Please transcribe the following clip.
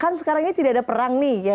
kalau sekarang ini tidak ada perang